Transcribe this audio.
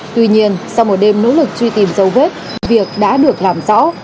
tuy nhiên sau một đêm nỗ lực truy tìm dấu vết việc đã được làm rõ